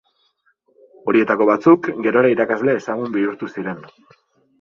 Horietako batzuk gerora irakasle ezagun bihurtu ziren.